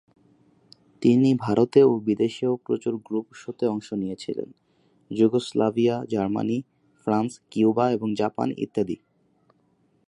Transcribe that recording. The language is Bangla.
তিনি ভারতে এবং বিদেশেও প্রচুর গ্রুপ শোতে অংশ নিয়েছিলেন: যুগোস্লাভিয়া, জার্মানি, ফ্রান্স, কিউবা এবং জাপান ইত্যাদি।